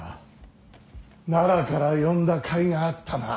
奈良から呼んだ甲斐があったな。